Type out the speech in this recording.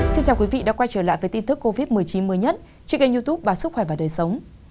xin chào quý vị đã quay trở lại với tin tức covid một mươi chín mới nhất trên kênh youtube bà sức khỏe và đời sống